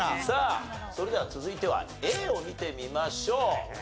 さあそれでは続いてはＡを見てみましょう。